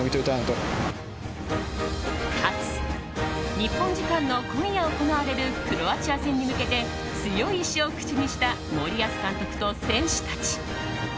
日本時間の今夜行われるクロアチア戦に向けて強い意志を口にした森保監督と選手たち。